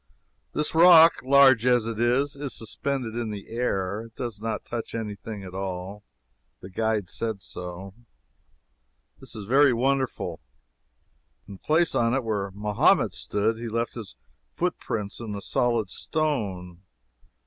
This rock, large as it is, is suspended in the air. It does not touch any thing at all. The guide said so. This is very wonderful. In the place on it where Mahomet stood, he left his foot prints in the solid stone.